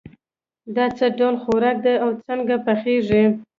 دا څه ډول خوراک ده او څنګه پخیږي